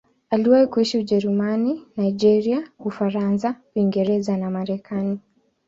Aliwahi kuishi Ujerumani, Nigeria, Ufaransa, Uingereza na Marekani.